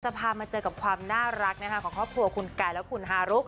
พามาเจอกับความน่ารักนะคะของครอบครัวคุณกายและคุณฮารุ